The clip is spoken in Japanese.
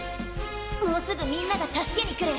もうすぐみんなが助けに来る。